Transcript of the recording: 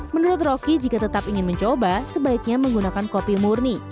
menurut roky jika tetap ingin mencoba sebaiknya menggunakan kopi murni